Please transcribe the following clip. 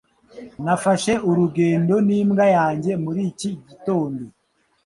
Nafashe urugendo nimbwa yanjye muri iki gitondo.